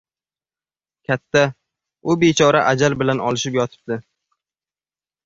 — Katta, u bechora ajal bilan olishib yotibdi.